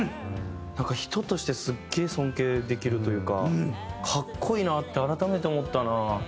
なんか人としてすっげえ尊敬できるというか格好いいなって改めて思ったな。